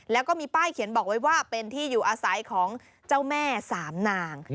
แล้วก็มีป้ายเขียนบอกไว้ว่าเป็นที่อยู่อาศัยของเจ้าแม่สามนาง